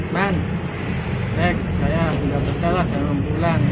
man saya gak peta lah saya mau pulang